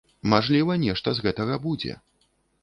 Мажліва, нешта з гэтага будзе.